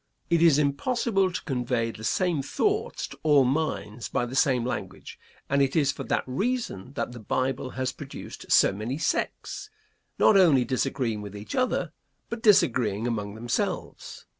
It is impossible to convey the same thoughts to all minds by the same language, and it is for that reason that the Bible has produced so many sects, not only disagreeing with each other, but disagreeing among themselves.